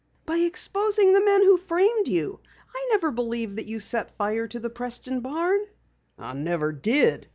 "By exposing the men who framed you. I never believed that you set fire to the Preston barn." "I never did."